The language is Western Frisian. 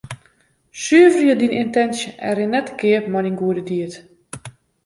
Suverje dyn yntinsje en rin net te keap mei dyn goede died.